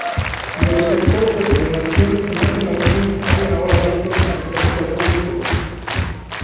Los receptores de su donación, el National Trust, abren ahora Belton completamente al público.